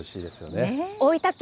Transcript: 大分県